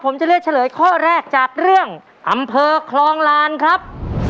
ผมจะเลือกเฉลยข้อแรกจากเรื่องอำเภอคลองลานครับ